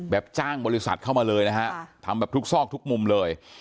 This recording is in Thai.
จ้างบริษัทเข้ามาเลยนะฮะทำแบบทุกซอกทุกมุมเลย